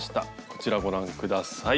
こちらご覧下さい。